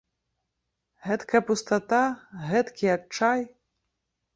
Гэткая пустата, гэткі адчай.